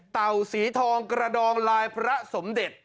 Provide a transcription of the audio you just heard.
สีทองกระดองลายพระสมเด็จ